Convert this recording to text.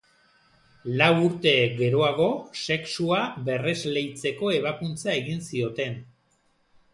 Lau urte geroago sexua berresleitzeko ebakuntza egin zioten.